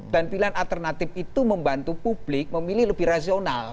dan pilihan alternatif itu membantu publik memilih lebih rasional